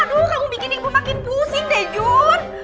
kamu bikin ibu makin pusing deh jun